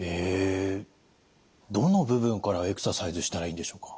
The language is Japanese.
どの部分からエクササイズしたらいいんでしょうか。